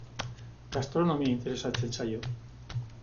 Gastronomia interesatzen zaio.